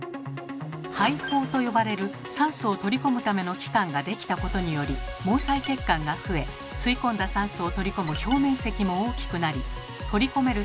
肺胞と呼ばれる酸素を取り込むための器官ができたことにより毛細血管が増え吸い込んだ酸素を取り込む表面積も大きくなり取り込める